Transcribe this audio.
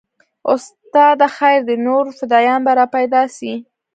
استاده خير دى نور فدايان به راپيدا سي.